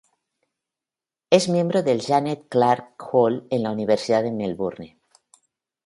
Es miembro del Janet Clarke Hall en la Universidad de Melbourne.